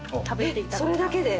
えっそれだけで？